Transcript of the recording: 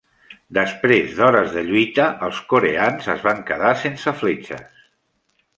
Després d'hores de lluita, els coreans es van quedar sense fletxes.